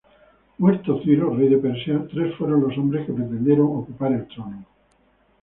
Muerto Ciro, Rey de Persia, tres fueron los hombres que pretendieron ocupar el trono.